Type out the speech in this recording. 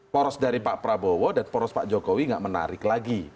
poros dari pak prabowo dan poros pak jokowi nggak menarik lagi